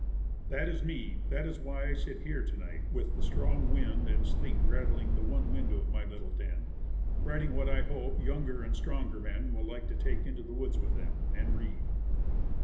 That is me. That is why I sit here to night with the north wind and sleet rattling the one win dow of my little den writing what I hope younger and stronger men will like to take into the woods with them, and read.